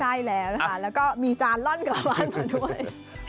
ใช่แหละแล้วก็มีจานร่อนกลับมาด้วย